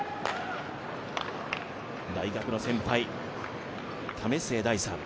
大学の先輩、為末大さん。